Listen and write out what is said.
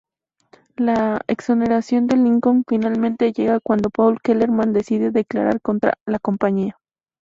La exoneración de Lincoln finalmente llega cuando Paul Kellerman decide declarar contra "La Compañía".